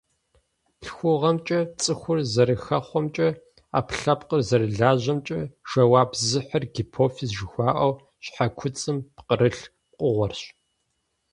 ЛъхугъэмкӀэ, цӀыхур зэрыхэхъуэмкӀэ, Ӏэпкълъэпкъыр зэрылажьэмкӀэ жэуап зыхьыр гипофиз жыхуаӀэу, щхьэкуцӀым пкъырылъ пкъыгъуэрщ.